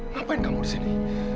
ngapain kamu disini